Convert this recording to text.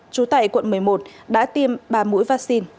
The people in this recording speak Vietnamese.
trú tại quận một mươi một đã tiêm ba mũi vaccine